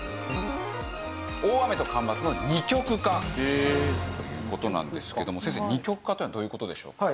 大雨と干ばつの二極化という事なんですけども先生二極化というのはどういう事でしょう。